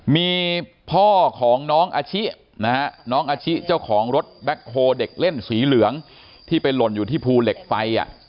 มีพ่อของน้องอาชินะฮะน้องอาชิเจ้าของรถแบ็คโฮเด็กเล่นสีเหลืองที่ไปหล่นอยู่ที่ภูเหล็กไฟ